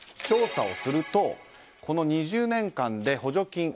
調査をするとこの２０年間で補助金